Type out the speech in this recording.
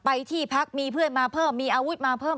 ไปที่พักมีเพื่อนมาเพิ่มมีอาวุธมาเพิ่ม